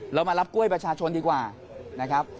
เรามารับกล้วยประชาชนดีกว่านะครับ